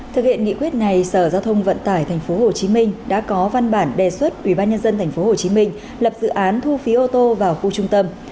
thực hiện nghị quyết này sở giao thông vận tải tp hcm đã có văn bản đề xuất ủy ban nhân dân tp hcm lập dự án thu phí ô tô vào khu trung tâm